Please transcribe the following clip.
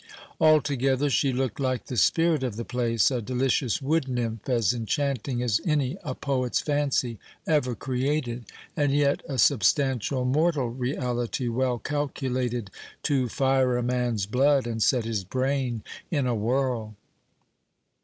Altogether she looked like the spirit of the place, a delicious wood nymph as enchanting as any a poet's fancy ever created and yet a substantial, mortal reality well calculated to fire a man's blood and set his brain in a whirl.